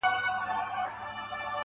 نن چي د عقل په ويښتو کي څوک وهي لاسونه~